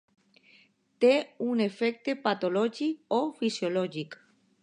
Té un efecte patològic o fisiològic.